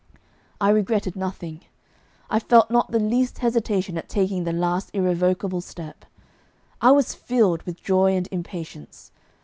I regretted nothing; I felt not the least hesitation at taking the last irrevocable step; I was filled with joy and impatience.